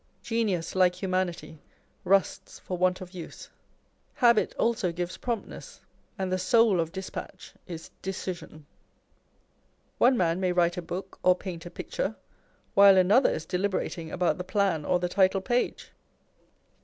Genius, like humanity, rusts for want of use. Habit also gives promptness ; and the soul of despatch is decision. One man rftay wrrite a book or paint a picture, while another is deliberating about the plan or the titlepage.